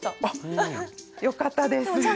あっよかったです。